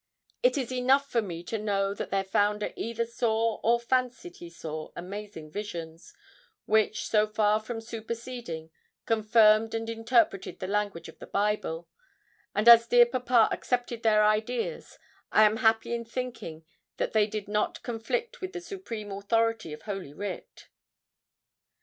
It is enough for me to know that their founder either saw or fancied he saw amazing visions, which, so far from superseding, confirmed and interpreted the language of the Bible; and as dear papa accepted their ideas, I am happy in thinking that they did not conflict with the supreme authority of holy writ.